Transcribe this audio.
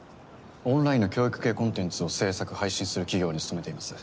オンラインの教育系コンテンツを制作配信する企業に勤めています。